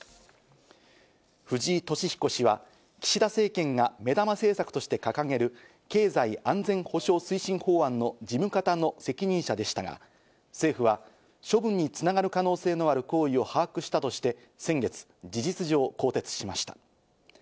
藤井敏彦氏は岸田政権が目玉政策として掲げる経済安全保障推進法案の事務方の責任者でしたが、政府は処分に繋がる可能性のある行為を把握したとして、先月、事実上更迭しました。